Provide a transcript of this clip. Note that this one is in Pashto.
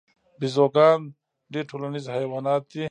بیزوګان ډیر ټولنیز حیوانات دي